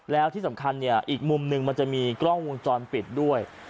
แล้วที่สำคัญเนี่ยอีกมุมหนึ่งมันจะมีกล้องวงจรปิดด้วย